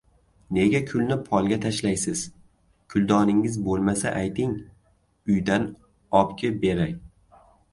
— Nega kulni polga tashlaysiz? Kuldoningiz bo‘lmasa, ayting, uydan obkeb beray!